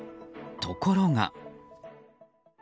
ところが。